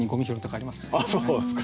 あっそうですか。